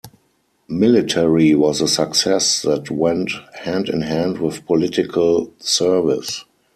Military was a success that went hand in hand with political service.